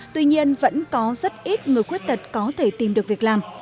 tuy nhiên vẫn có rất ít người khuyết tật có thể tìm được việc làm